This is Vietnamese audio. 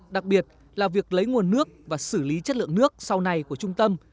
đặc biệt là việc lấy nguồn nước và xử lý chất lượng nước sau này của trung tâm